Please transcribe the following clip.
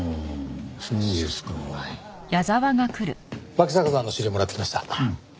脇坂さんの資料もらってきました。